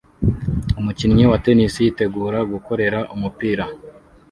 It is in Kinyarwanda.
Umukinnyi wa tennis yitegura gukorera umupira